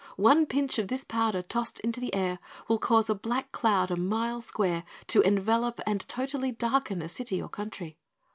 One pinch of this powder tossed into the air will cause a black cloud a mile square to envelop and totally darken a city or country.